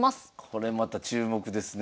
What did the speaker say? これまた注目ですねえ。